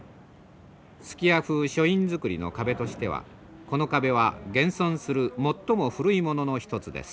数寄屋風書院造りの壁としてはこの壁は現存する最も古いものの一つです。